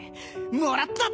もらった！